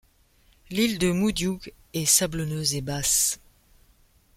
L'île Moudioug est sablonneuse et basse.